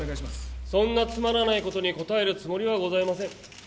そんなつまらないことに答えるつもりはございません。